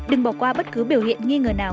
đừng bỏ qua bất cứ biểu hiện nghi ngờ nào